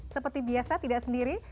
seperti biasa tidak sendiri